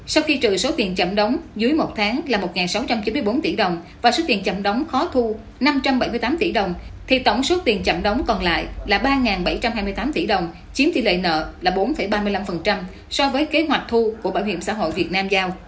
sau khi trừ số tiền chậm đóng dưới một tháng là một sáu trăm chín mươi bốn tỷ đồng và số tiền chậm đóng khó thu năm trăm bảy mươi tám tỷ đồng thì tổng số tiền chậm đóng còn lại là ba bảy trăm hai mươi tám tỷ đồng chiếm tỷ lệ nợ là bốn ba mươi năm so với kế hoạch thu của bảo hiểm xã hội việt nam giao